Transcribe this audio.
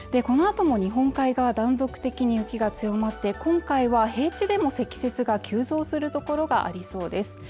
このあとも日本海側断続的に雪が強まって今回は平地でも積雪が急増するところがありそうです